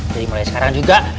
jadi mulai sekarang juga